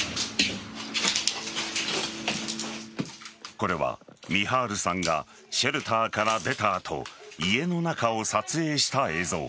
これはミハールさんがシェルターから出た後家の中を撮影した映像。